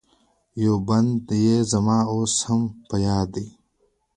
یو بند یې زما اوس هم په یاد دی.